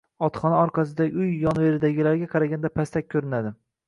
Otxona orqasidagi uy yon-veridagilarga qaraganda pastak ko`rinadi